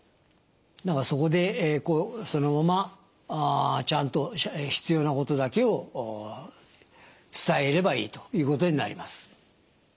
そこでそのままちゃんと必要なことだけを伝えればいいということになります。